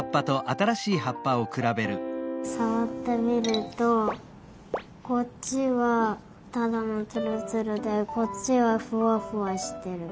さわってみるとこっちはただのつるつるでこっちはふわふわしてる。